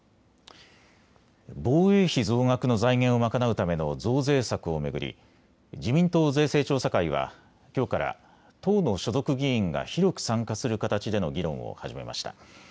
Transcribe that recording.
防衛費増額の財源を賄うための増税策を巡り自民党税制調査会はきょうから党の所属議員が広く参加する形での議論を始めました。